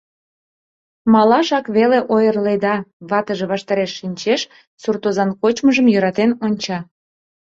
Малашак веле ойырледа, — ватыже ваштареш шинчеш, суртозан кочмыжым йӧратен онча.